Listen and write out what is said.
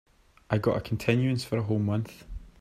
I got a continuance for a whole month.